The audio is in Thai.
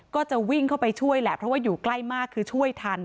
ก็จะวิ่งเข้าไปช่วยแหละเพราะว่าอยู่ใกล้มากคือช่วยทัน